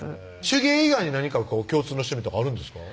手芸以外に何か共通の趣味とかあるんですか？